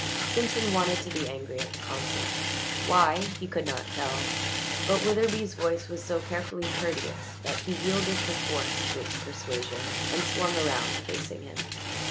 Simpson wanted to be angry at the consul why he could not tell but Witherbee's voice was so carefully courteous that he yielded perforce to its persuasion and swung around, facing him.